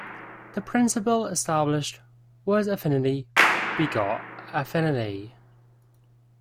The principle established was affinity begot affinity.